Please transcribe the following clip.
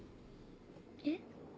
えっ？